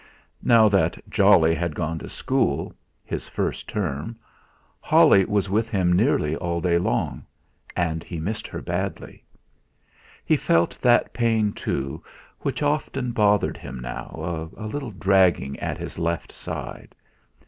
Now that Jolly had gone to school his first term Holly was with him nearly all day long, and he missed her badly. He felt that pain too, which often bothered him now, a little dragging at his left side.